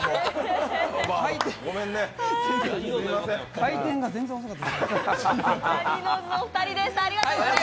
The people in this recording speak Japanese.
回転が全然遅かった。